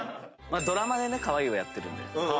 ドラマでねカワイイをやってるんで。